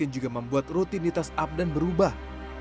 yang juga membuat rutinitas abdan berubah